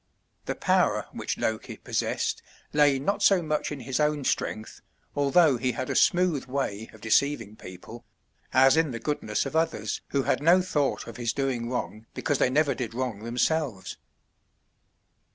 The power which Loki possessed lay not so much in his own strength, although he had a smooth way of deceiving people, as in the goodness of others who had no thought of his doing wrong because they never did wrong themselves.